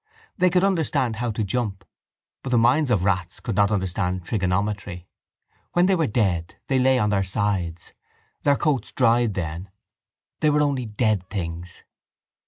They could understand how to jump. But the minds of rats could not understand trigonometry. When they were dead they lay on their sides. Their coats dried then. They were only dead things.